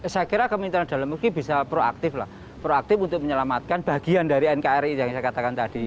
saya kira kementerian dalam negeri bisa proaktif lah proaktif untuk menyelamatkan bagian dari nkri yang saya katakan tadi